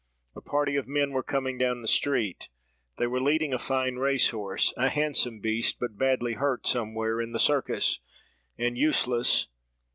A party of men were coming down the street. They were leading a fine race horse; a handsome beast, but badly hurt somewhere, in the circus, and useless.